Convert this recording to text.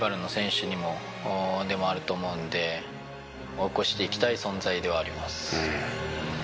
追い越していきたい存在ではあります。